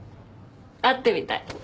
会ってみたい。